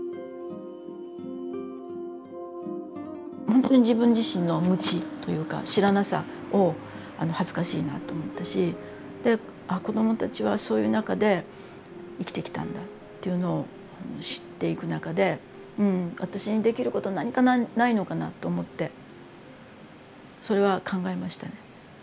ほんとに自分自身の無知というか知らなさを恥ずかしいなと思ったしで子どもたちはそういう中で生きてきたんだっていうのを知っていく中で私にできること何かないのかなと思ってそれは考えましたね。